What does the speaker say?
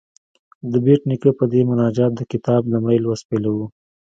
د بېټ نیکه پر دې مناجات د کتاب لومړی لوست پیلوو.